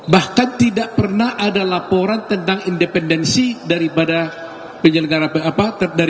bahkan tidak pernah ada laporan tentang independensi daripada penyelenggara